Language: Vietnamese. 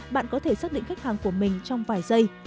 bạn có thể xác định khách hàng của mình trong vài giây